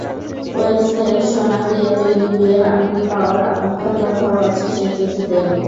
ওয়েলসের সোনা দিয়ে তৈরি বিয়ের আংটি পাওয়ার আকাঙ্ক্ষার কথাও আছে সেই চিঠিতে।